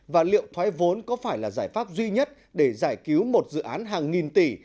và liệu thoái vốn có phải là giải pháp duy nhất để giải cứu một dự án hàng nghìn tỷ